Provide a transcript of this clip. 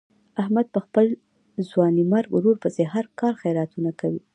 احمد په خپل ځوانیمرګ ورور پسې هر کال خیراتونه کوي.